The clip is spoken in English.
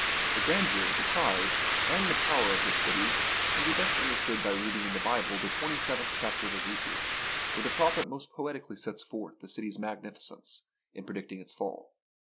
The grandeur, the pride, and the power of this city can be best understood by reading in the Bible the twenty seventh chapter of Ezekiel, where the prophet most poetically sets forth the city's mag nificence in predicting its fall.